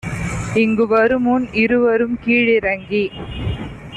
இங்கு வருமுன் இருவரும் கீழிறங்கி